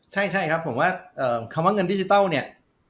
ใช่ครับผมว่าคำว่าเงินดิจิทัลเนี่ย